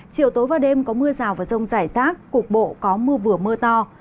chiều tối và đêm có mưa rào và rông rải rác cục bộ có mưa vừa mưa to